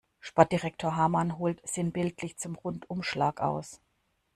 Sportdirektor Hamann holt sinnbildlich zum Rundumschlag aus.